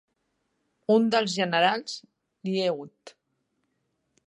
Un dels generals, Lieut.